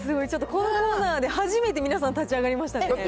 ちょっとこのコーナーで初めて皆さん、立ち上がりましたね。